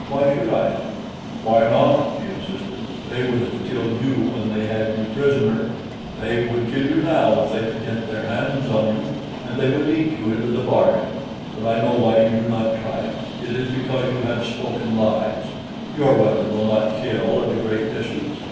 "Why should I?" "Why not?" he insisted. "They would have killed you when they had you prisoner. They would kill you now if they could get their hands on you, and they would eat you into the bargain. But I know why you do not try it it is because you have spoken lies; your weapon will not kill at a great distance.